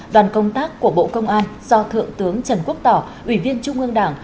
đoàn công tác của bộ công an do thượng tướng trần quốc tỏ ủy viên trung ương đảng